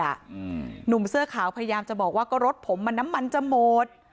แต่คนที่เบิ้ลเครื่องรถจักรยานยนต์แล้วเค้าก็ลากคนนั้นมาทำร้ายร่างกาย